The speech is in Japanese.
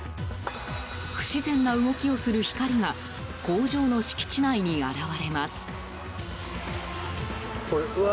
不自然な動きをする光が工場の敷地内に現れます。